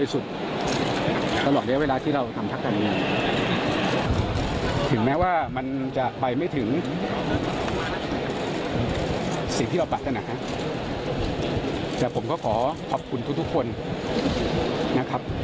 สิทธิ์ที่เราปรัฐนาแต่ผมก็ขอขอบคุณทุกคนนะครับ